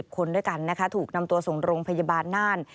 คนด้วยกันนะคะถูกนำตัวส่งโรงพยาบาลน่าน